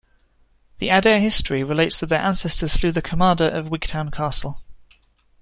The Adair history relates that their ancestor slew the commander of Wigtown Castle.